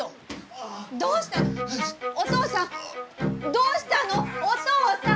どうしたの⁉お父さん！